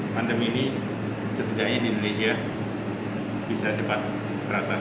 pandemi ini setidaknya di indonesia bisa cepat teratas